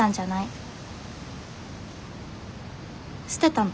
捨てたの。